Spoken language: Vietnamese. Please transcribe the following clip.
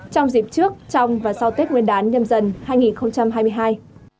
trong dịp trước trong và sau tết nguyên đán nhâm dần hai nghìn hai mươi hai